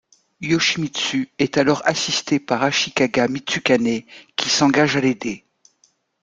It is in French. Yoshimitsu est alors assisté par Ashikaga Mitsukane qui s'engage à l'aider.